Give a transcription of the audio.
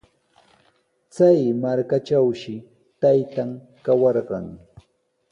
Chay markatrawshi taytan kawarqan.